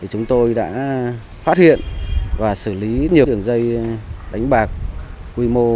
chúng tôi đã phát hiện và xử lý nhiều đường dây đánh bạc